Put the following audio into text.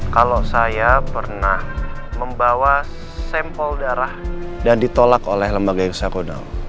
kalau saya pernah membawa sampel darah dan ditolak oleh lembaga psikolog